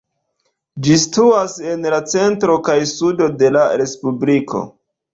Ĝi situas en la centro kaj sudo de la respubliko.